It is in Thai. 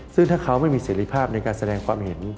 ซึ่งถ้าเขาไม่มีเสร็จภาพในการแสดงความเห็น